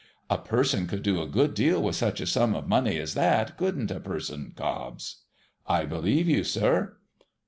' A person could do a good deal with such a sum of money as that, — couldn't a person, Cobbs ?'' I believe you, sir